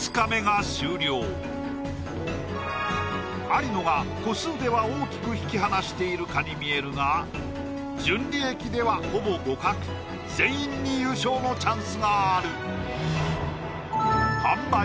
有野が個数では大きく引き離しているかに見えるが純利益ではほぼ互角全員に優勝のチャンスがある販売